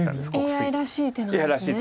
ＡＩらしい手なんです。